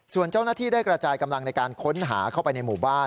ส่วนเจ้าหน้าที่ได้กระจายกำลังในการค้นหาเข้าไปในหมู่บ้าน